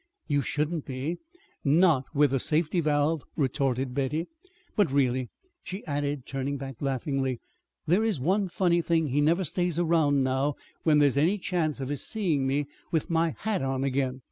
"You shouldn't be not with a safety valve," retorted Betty. "But, really," she added, turning back laughingly, "there is one funny thing: he never stays around now when there's any chance of his seeing me with my hat on again.